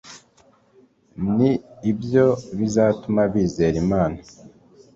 Ni ibyo bizatuma bizera Imana